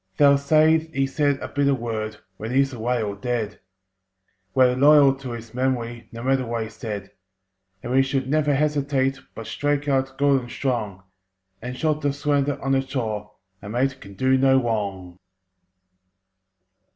They'll say he said a bitter word When he's away or dead. We're loyal to his memory, No matter what he said. And we should never hesitate, But strike out good and strong, And jolt the slanderer on the jaw— A mate can do no wrong!